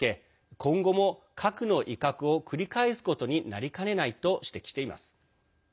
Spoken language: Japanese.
今後も核の威嚇を繰り返すことになりかねないと指摘しています。